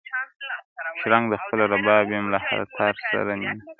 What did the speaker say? شرنګ د خپل رباب یم له هر تار سره مي نه لګي!.